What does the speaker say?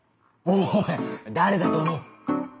おい誰だと思う？